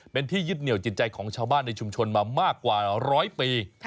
เป็นที่ยึดเหนียวจิตใจของชาวบ้านในชุมชนมามากกว่าร้อยปี